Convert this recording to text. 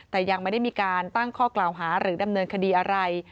แต่ยังไม่ได้มีการตั้งข้อกล่าวหาหรือดำเนินคดีอะไร